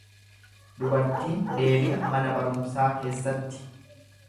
Dubartiin deebi'a mana barumsaa keessatti.